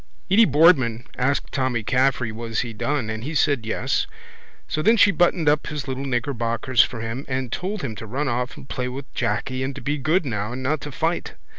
Edy Boardman asked Tommy Caffrey was he done and he said yes so then she buttoned up his little knickerbockers for him and told him to run off and play with Jacky and to be good now and not to fight.